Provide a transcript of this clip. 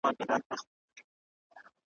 وايي رود چي سمندر ته دا خلیږي ,